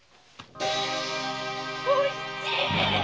お七！